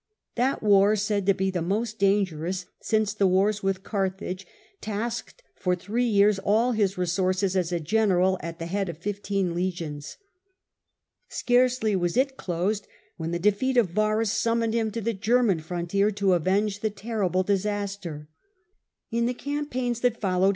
That war, said to be the most dan gerous since the wars with Carthage, tasked for three years all his resources as a general at the head of fifteen legions. Scarcely was it closed when the defeat of Varus summoned him to the German frontier to avenge the terrible disaster. In the campaigns that followed he A.